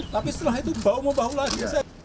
tapi setelah itu bau membahu lagi